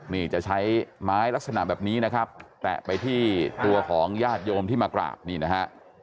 นี่จะใช้ไม้ลักษณะแบบนี้นะครับแตะไปที่ตัวของญาติโยมที่มากราบนี่นะฮะ